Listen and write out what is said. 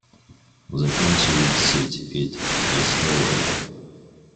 The county seat is Astoria.